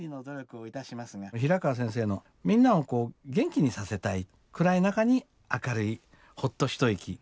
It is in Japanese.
平川先生のみんなを元気にさせたい暗い中に明るいほっと一息を届けるようなね